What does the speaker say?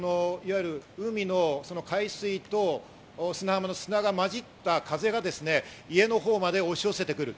海の海水と砂浜の砂がまじった風が家のほうまで押し寄せてくる。